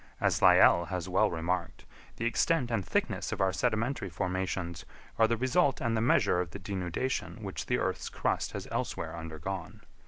As Lyell has well remarked, the extent and thickness of our sedimentary formations are the result and the measure of the denudation which the earth's crust has elsewhere undergone.